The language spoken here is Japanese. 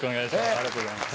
ありがとうございます。